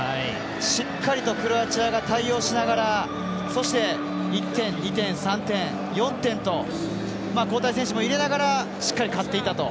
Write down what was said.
しっかりとクロアチアが対応しながらそして１点、２点、３点４点と交代選手も入れながらしっかり勝っていったと。